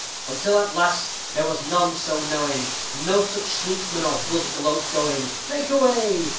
_ Until at last there was none so knowing, No such sneaksman or buzgloak going. _Fake away.